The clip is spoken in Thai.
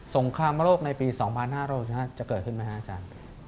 งครามโลกในปี๒๕๖๕จะเกิดขึ้นไหมครับอาจารย์